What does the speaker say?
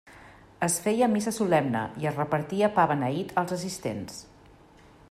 Es feia missa solemne i es repartia pa beneït als assistents.